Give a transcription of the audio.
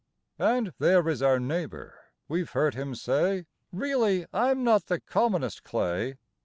And there is our neighbor. We've heard him say: "Really, I'm not the commonest clay.